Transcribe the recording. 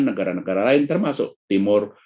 negara negara lain termasuk timur